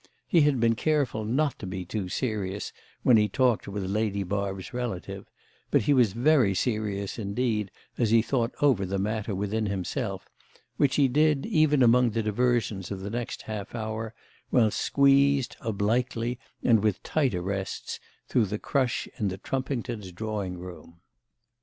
He had been careful not to be too serious when he talked with Lady Barb's relative; but he was very serious indeed as he thought over the matter within himself, which he did even among the diversions of the next half hour, while he squeezed, obliquely and with tight arrests, through the crush in the Trumpingtons' drawing room.